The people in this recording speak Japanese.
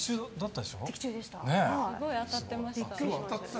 すごい当たってました。